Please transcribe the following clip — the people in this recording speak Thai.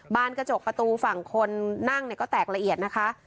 กระจกประตูฝั่งคนนั่งเนี่ยก็แตกละเอียดนะคะ